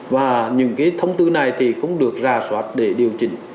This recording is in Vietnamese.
và những cái thông tư này thì cũng được ra soát để điều chỉnh